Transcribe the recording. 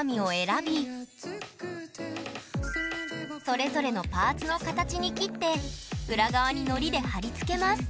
それぞれのパーツの形に切って裏側にのりで貼り付けます